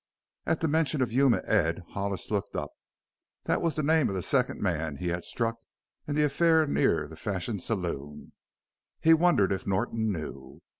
At the mention of "Yuma Ed" Hollis looked up. That was the name of the second man he had struck in the affair near the Fashion Saloon. He wondered if Norton knew.